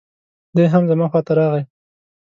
دی هم زما خواته راغی.